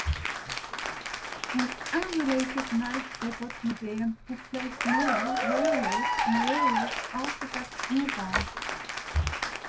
The unrelated Niles Depot Museum displays model railroads and railroad artifacts nearby.